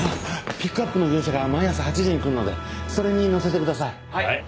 ピックアップの業者が毎朝８時に来るのでそれに載せてください。